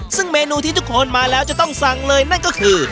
ซึ่งเมนูที่ทุกคนมาแล้วจะต้องสั่งเลยนั่นก็คือ